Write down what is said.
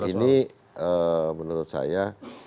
nah ini menurut saya